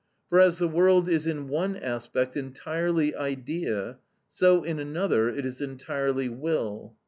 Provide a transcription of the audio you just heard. For as the world is in one aspect entirely idea, so in another it is entirely will.